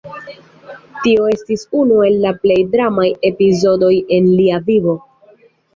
Tio estis unu el la plej dramaj epizodoj en lia vivo.